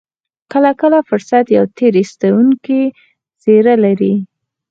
کله کله فرصت يوه تېر ايستونکې څېره لري.